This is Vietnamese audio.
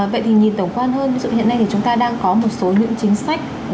vậy thì nhìn tổng quan hơn ví dụ hiện nay thì chúng ta đang có một số những chính sách